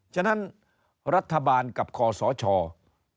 ฉะนั้นรัฐบาลกับคทจะต้องเอาจริงเอาจังกับเรื่องนี้